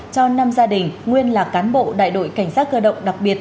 cho năm gia đình nguyên là cán bộ đại đội cảnh sát cơ động đặc biệt